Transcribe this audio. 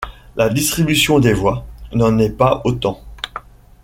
La distribution des voix n'en est pas autant.